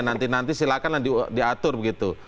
nanti nanti silakan diatur begitu